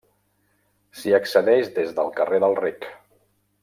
S'hi accedeix des del carrer del Rec.